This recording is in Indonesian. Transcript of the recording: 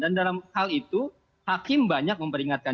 dan dalam hal itu hakim banyak memperingatkan